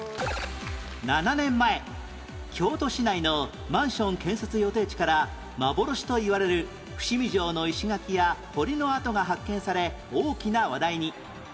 ７年前京都市内のマンション建設予定地から幻といわれる伏見城の石垣や堀の跡が発見され大きな話題に